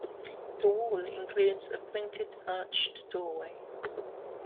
The wall includes a pointed arched doorway.